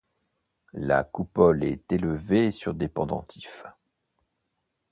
La coupole est élevée sur des pendentifs.